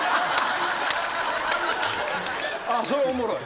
それおもろい。